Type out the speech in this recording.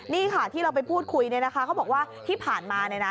นี่ค่ะที่เราไปพูดคุยเนี่ยนะคะเขาบอกว่าที่ผ่านมาเนี่ยนะ